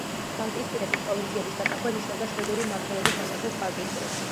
ბალტიისპირეთის პროვინციების დაკარგვა ნიშნავდა შვედური მმართველობის დასასრულს ბალტიისპირეთში.